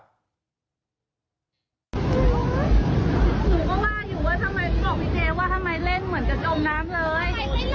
หนูก็ว่าอยู่เพราะว่าทำไมบอกพี่เจ๊ว่าทำไมเล่นเหมือนกับจมน้ำเลย